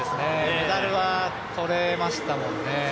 メダルはとれましたもんね。